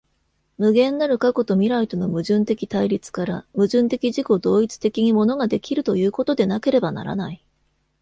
無限なる過去と未来との矛盾的対立から、矛盾的自己同一的に物が出来るということでなければならない。